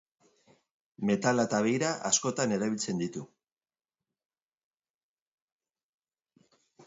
Metala eta beira askotan erabiltzen ditu.